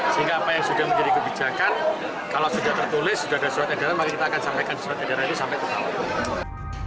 sehingga apa yang sudah menjadi kebijakan kalau sudah tertulis sudah ada surat edaran maka kita akan sampaikan surat edaran itu sampai ke sana